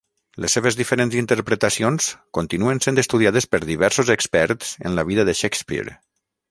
Les seves diferents interpretacions continuen sent estudiades per diversos experts en la vida de Shakespeare.